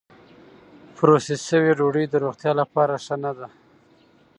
پروسس شوې ډوډۍ د روغتیا لپاره ښه نه ده.